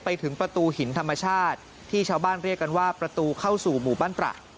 ไปถึงประตูหินธรรมชาติที่ชาวบ้านเรียกกันว่าประตูเข้าสู่หมู่บ้านตระ